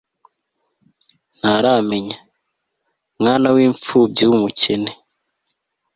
ntaramenya, mwana wimpfubyi wumukene